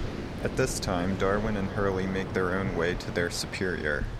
At this time, Darwin and Hurley make their own way to their superior.